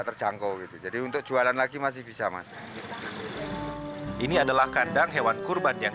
terjangkau gitu jadi untuk jualan lagi masih bisa mas ini adalah kandang hewan kurban yang